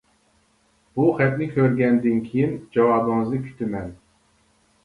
بۇ خەتنى كۆرگەندىن كىيىن جاۋابىڭىزنى كۈتىمەن.